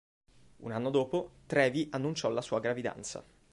Un anno dopo, Trevi annunciò la sua gravidanza.